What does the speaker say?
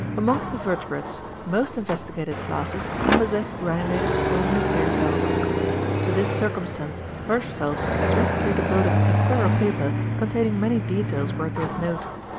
Amongst the vertebrates most investigated classes possess granulated polynuclear cells. To this circumstance Hirschfeld has recently devoted a thorough paper containing many details worthy of note.